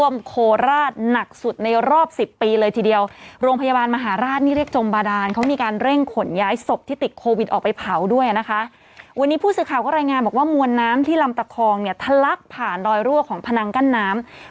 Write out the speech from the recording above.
ไม่ท่วมหรอกนายกรุณยัยว่าไม่ท่วม